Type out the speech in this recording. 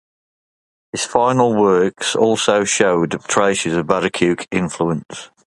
His final works also showed traces of Baroque influence.